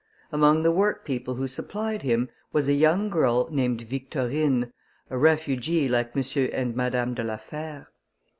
Among the workpeople who supplied him, was a young girl named Victorine, a refugee like M. and Madame de la Fère.